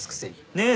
ねえ？